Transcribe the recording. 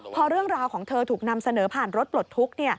พอเรื่องราวของเธอถูกนำเสนอผ่านรถปลดทุกข์